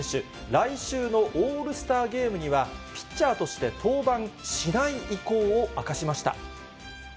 来週のオールスターゲームには、ピッチャーとして登板しない意向を明かしました。